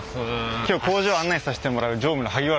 今日工場を案内させてもらう常務の萩原と申します。